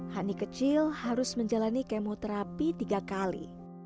hani kecil harus menjalani kemoterapi tiga kali